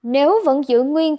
nếu vẫn giữ nguyên liệu